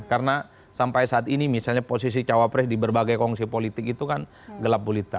karena sampai saat ini misalnya posisi cawapres di berbagai kongsi politik itu kan gelap pulita